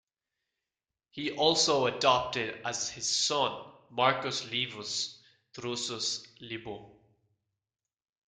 He also adopted as his son Marcus Livius Drusus Libo.